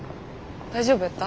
大丈夫やった？